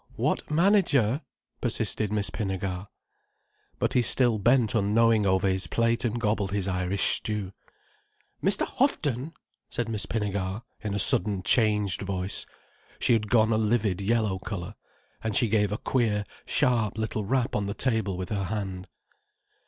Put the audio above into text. "What manager?" persisted Miss Pinnegar. But he still bent unknowing over his plate and gobbled his Irish stew. "Mr. Houghton!" said Miss Pinnegar, in a sudden changed voice. She had gone a livid yellow colour. And she gave a queer, sharp little rap on the table with her hand.